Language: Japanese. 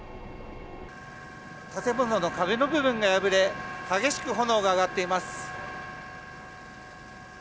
建物の壁の部分が破れ激しく炎が上がっています。